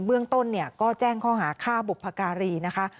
เบื้องต้นเนี่ยก็แจ้งข้อหาฆ่าบุพการีนะคะ